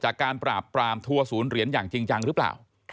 การปราบปรามทัวร์ศูนย์เหรียญอย่างจริงจังหรือเปล่า